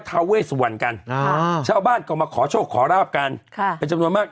ทาเวสวรรณกันอ่าชาวบ้านก็มาขอโชคขอราบกันค่ะเป็นจำนวนมาก